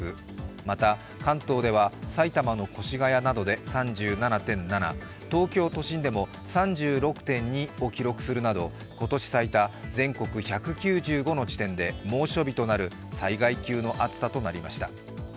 また関東では埼玉の越谷などで３７．７、東京都心でも３６．２を記録するなど今年最多、全国１９５の地点で猛暑日となる災害級の暑さとなりました。